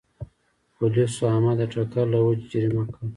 پولیسو احمد د ټکر له وجې جریمه کړ.